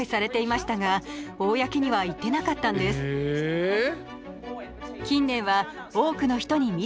えっ！？